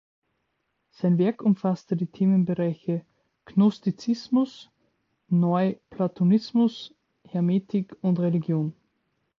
Sein Werk umfasste die Themenbereiche Gnostizismus, Neuplatonismus, Hermetik und Religion.